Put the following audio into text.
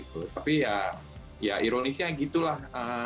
tapi ya ironisnya gitu lah